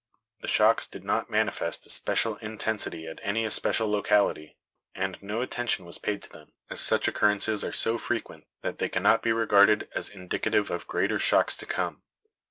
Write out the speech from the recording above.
The shocks did not manifest especial intensity at any especial locality, and no attention was paid to them, as such occurrences are so frequent that they cannot be regarded as indicative of greater shocks to come.